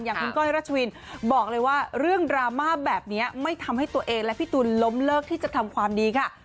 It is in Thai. อย่างคุณก้อยรัชวินบอกเลยว่าเรื่องดราม่าแบบนี้ไม่ทำให้ตัวเองและพี่ตูนล้มเลิกที่จะทำความดีค่ะ